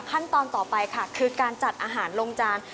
ขั้นตอนต่อไปค่ะคือการจัดอาหารลงจาน